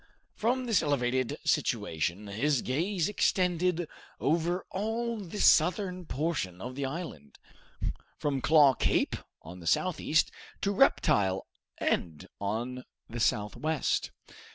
From this elevated situation his gaze extended over all the southern portion of the island, from Claw Cape on the southeast, to Reptile End on the southwest.